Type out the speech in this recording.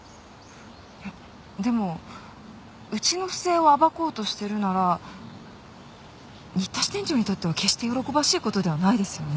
でもうちの不正を暴こうとしてるなら新田支店長にとっては決して喜ばしい事ではないですよね。